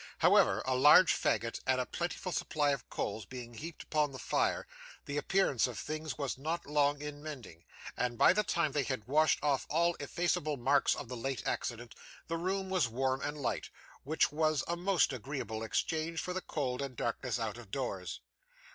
However, a large faggot and a plentiful supply of coals being heaped upon the fire, the appearance of things was not long in mending; and, by the time they had washed off all effaceable marks of the late accident, the room was warm and light, which was a most agreeable exchange for the cold and darkness out of doors.